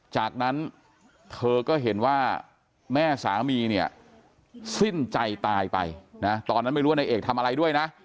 จากนั้นเธอก็เห็นว่าแม่สามีเนี่ยสิ้นใจตายไปนะตอนนั้นไม่รู้ว่านายเอกทำอะไรด้วยนะ